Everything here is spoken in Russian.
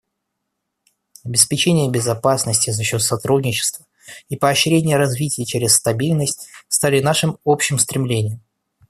Обеспечение безопасности за счет сотрудничества и поощрение развития через стабильность стали нашим общим стремлением.